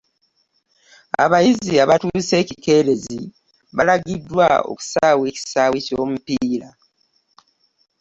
Abayizi abatuuse ekikeerezi balagiddwa okusaawa ekisaawe ky'omupiira.